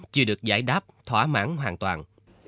chưa được giải đáp thỏa mãn hoàn toàn